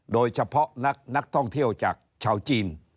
โดยเฉพาะนักท่องเที่ยวจากชาวจีน